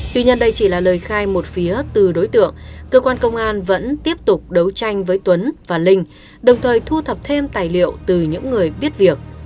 tuy nhiên đây chỉ là lời khai một phía từ đối tượng cơ quan công an vẫn tiếp tục đấu tranh với tuấn và linh đồng thời thu thập thêm tài liệu từ những người biết việc